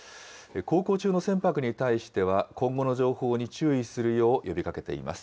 航行中の船舶に対しては、今後の情報に注意するよう呼びかけています。